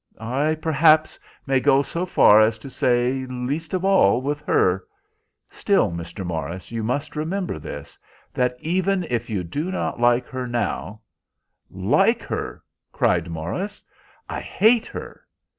I, perhaps, may go so far as to say, least of all with her. Still, Mr. Morris, you must remember this, that even if you do not like her now—" "Like her?" cried Morris; "I hate her."